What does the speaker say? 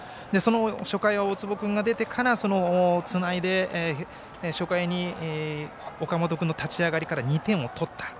初回は大坪君が出てからつないで、初回に岡本君の立ち上がりから２点を取った。